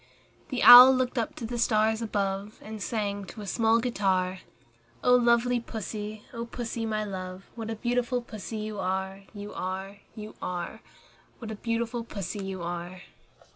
The Owl looked up to the stars above, And sang to a small guitar, "Oh lovely Pussy, O Pussy, my love, What a beautiful Pussy you are, You are, You are! What a beautiful Pussy you are!"